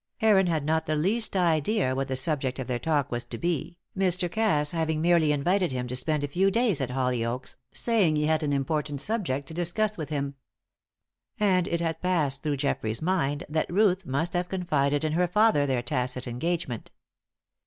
Heron had not the least idea what the subject of their talk was to be, Mr. Cass having merely invited him to spend a few days at Hollyoaks, saying he had an important subject to discuss with him. And it had passed through Geoffrey's mind that Ruth must have confided in her father their tacit engagement.